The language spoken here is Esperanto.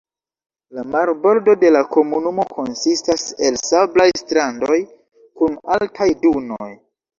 La marbordo de la komunumo konsistas el sablaj strandoj kun altaj dunoj.